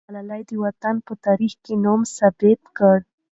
ملالۍ د وطن په تاریخ کې نوم ثبت کړ.